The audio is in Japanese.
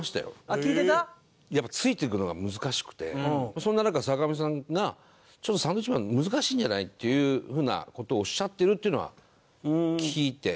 そんな中坂上さんが「ちょっとサンドウィッチマン難しいんじゃない？」っていう風な事をおっしゃってるっていうのは聞いて。